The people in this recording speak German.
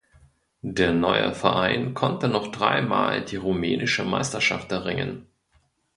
Der "neue" Verein konnte noch drei Mal die rumänische Meisterschaft erringen.